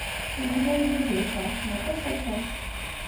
Nekk d argaz ay ifeṛḥen aṭas, aṭas.